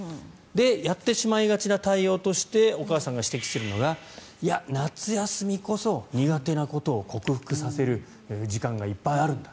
やってしまいがちな対応としてお母さんが指摘するのが夏休みこそ苦手なことを克服させる時間がいっぱいあるんだ